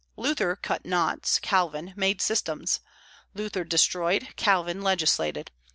Luther cut knots; Calvin made systems. Luther destroyed; Calvin legislated.